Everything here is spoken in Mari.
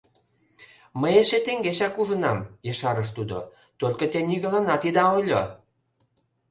— Мый эше теҥгечак ужынам, — ешарыш тудо, — только те нигӧланат ида ойло!